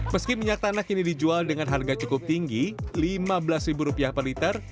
meski minyak tanah kini dijual dengan harga cukup tinggi lima belas per liter